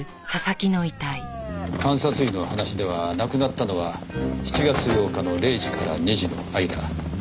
監察医の話では亡くなったのは７月８日の０時から２時の間。